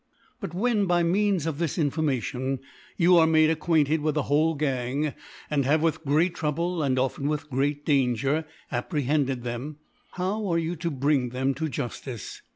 But when, by means of his Information, you are made acquainted with the whole Gang, and have, with great Trouble, and often with great Danger, apprehended them, how are you to bring them to Jufticc